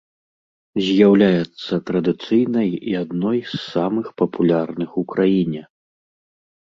З'яўляецца традыцыйнай і адной з самых папулярных у краіне.